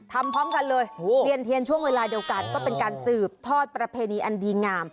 พร้อมกันเลยเวียนเทียนช่วงเวลาเดียวกันก็เป็นการสืบทอดประเพณีอันดีงาม